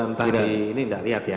entah di ini tidak lihat ya